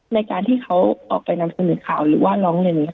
ในการที่เขาออกไปนำเสนอข่าวหรือว่าร้องเรียนนี้